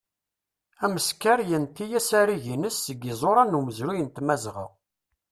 Ameskar yenti asarig-ines seg iẓuran n umezruy n tmazɣa.